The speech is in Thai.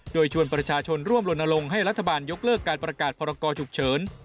โดยชวนประชาชนร่วมลนลงให้รัฐบาลยกเลิกการประกาศพรกรฉุกเฉิน